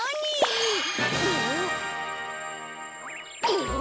うわ！